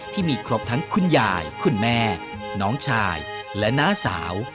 ที่มีครบทั้งคุณยายคุณแม่น้องชายและน้าสาว